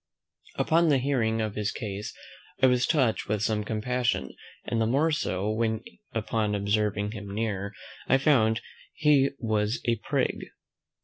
Upon the hearing of his case, I was touched with some compassion, and the more so, when, upon observing him nearer, I found he was a prig.